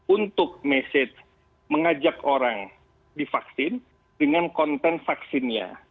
untuk message mengajak orang divaksin dengan konten vaksinnya